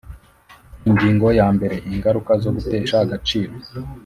Ingingo ya mbere Ingaruka zo gutesha agaciro